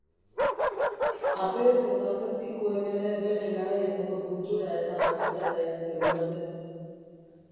Apez eta apezpikuek ere beren garaietako kultura eta jakitateak zeuzkaten.